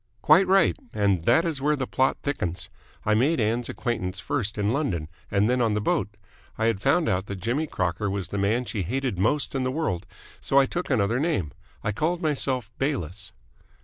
"Quite right. And that is where the plot thickens. I made Ann's acquaintance first in London and then on the boat. I had found out that Jimmy Crocker was the man she hated most in the world, so I took another name. I called myself Bayliss."